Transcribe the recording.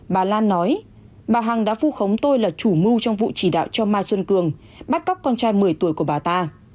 bà lan nói bà hằng đã vu khống tôi là chủ mưu trong vụ chỉ đạo cho mai xuân cường bắt cóc con trai một mươi tuổi của bà ta